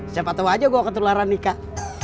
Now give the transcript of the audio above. siapa tau aja gue akan tularan nikah